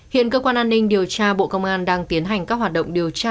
hiện cơ quan an ninh điều tra bộ công an đang tiến hành các hoạt động điều tra